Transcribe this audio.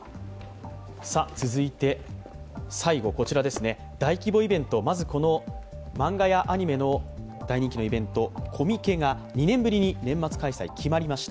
続いて最後大規模イベント漫画やアニメの大人気のイベント、コミケが２年ぶりに年末開催決まりました。